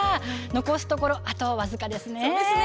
残すところ、あと僅かですね。